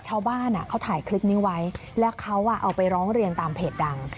ชาวบ้านเขาถ่ายคลิปนี้ไว้แล้วเขาเอาไปร้องเรียนตามเพจดัง